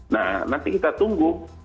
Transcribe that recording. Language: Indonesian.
nah nanti kita tunggu